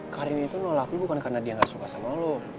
karin itu nolak lo bukan karena dia gak suka sama lo